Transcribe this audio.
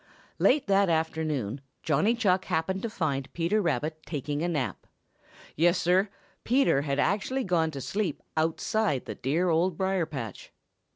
Late that afternoon Johnny Chuck happened to find Peter Rabbit taking a nap. Yes, Sir, Peter had actually gone to sleep outside the dear Old Briar patch.